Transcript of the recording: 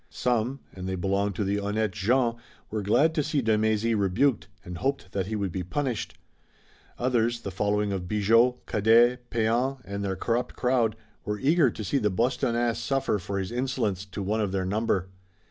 Some, and they belonged to the honnêtes gens, were glad to see de Mézy rebuked and hoped that he would be punished; others, the following of Bigot, Cadet, Pean and their corrupt crowd, were eager to see the Bostonnais suffer for his insolence to one of their number.